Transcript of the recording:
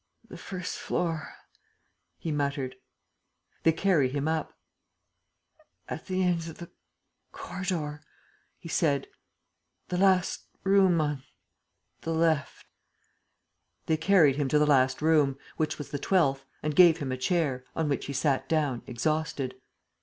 "The first floor," he muttered. They carried him up. "At the end of the corridor," he said. "The last room on the left." They carried him to the last room, which was the twelfth, and gave him a chair, on which he sat down, exhausted.